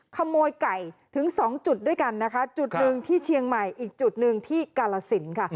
ขโมยไก่ถึงสองจุดด้วยกันนะคะจุดหนึ่งที่เชียงใหม่อีกจุดหนึ่งที่กาลสินค่ะ